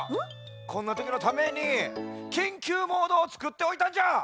こんなときのためにきんきゅうモードをつくっておいたんじゃ！